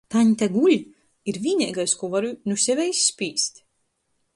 "Taņte guļ!" ir vīneigais, kū varu nu seve izspīst.